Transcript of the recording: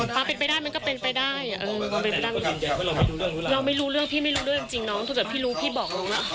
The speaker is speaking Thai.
เขาทำธุรกิจอยู่ข้างนอกค่ะ